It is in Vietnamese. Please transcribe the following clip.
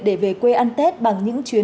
để về quê ăn tết bằng những chuyện